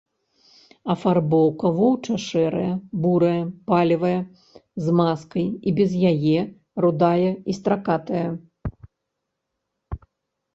Афарбоўка воўча-шэрая, бурая, палевая, з маскай і без яе, рудая і стракатая.